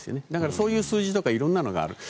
そういう数字とか色んなのがある。